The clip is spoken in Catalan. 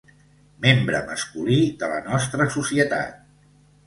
Membre masculí de la nostra societat.